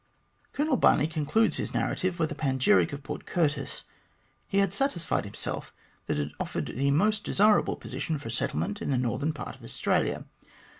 Colonel Barney concludes his narrative with a panegyric of Port Curtis. He had satisfied himself that it offered the most desirable position for a settlement in the northern part of Australia.